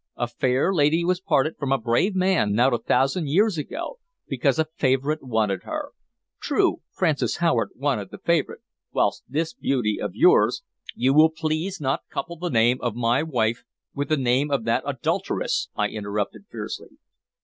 A fair lady was parted from a brave man not a thousand years ago, because a favorite wanted her. True, Frances Howard wanted the favorite, whilst this beauty of yours" "You will please not couple the name of my wife with the name of that adulteress!" I interrupted fiercely.